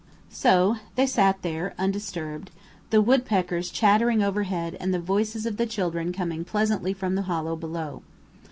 So they sat there, undisturbed the woodpeckers chattering overhead and the voices of the children coming pleasantly from the hollow below.